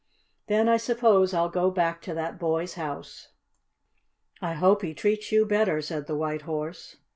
Then I suppose I'll go back to that boy's house." "I hope he treats you better," said the White Horse.